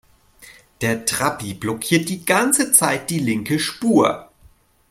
Der Trabi blockiert die ganze Zeit die linke Spur.